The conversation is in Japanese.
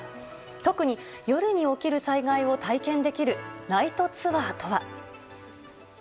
特に夜に起きる災害を体験できるナイトツアーとは。